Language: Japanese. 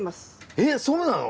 えそうなの？